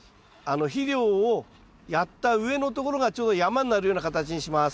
肥料をやった上のところがちょうど山になるような形にします。